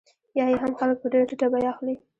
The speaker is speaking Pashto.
یا یې هم خلک په ډېره ټیټه بیه اخلي